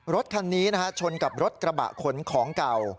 รถคันนี้นะฮะชนกับรถกระบะขนของเก่า